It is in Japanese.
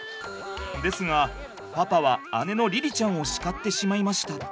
ですがパパは姉の凛々ちゃんを叱ってしまいました。